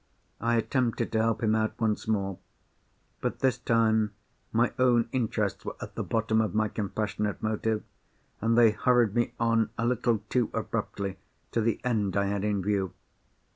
I attempted to help him out once more. But, this time, my own interests were at the bottom of my compassionate motive, and they hurried me on a little too abruptly, to the end I had in view.